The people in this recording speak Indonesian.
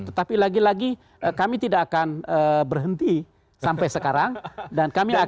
tetapi lagi lagi kami tidak akan berhenti sampai sekarang dan kami akan